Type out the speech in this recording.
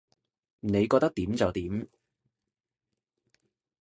你覺得點就點